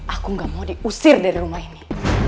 aku gak mau diusir dari rumah ini